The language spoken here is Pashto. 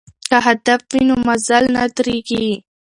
که هدف وي نو مزل نه دریږي.